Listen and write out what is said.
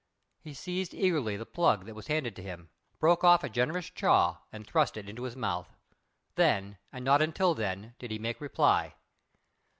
He seized eagerly the plug that was handed to him, broke off a generous "chaw" and thrust it into his mouth. Then, and not until then, did he make reply.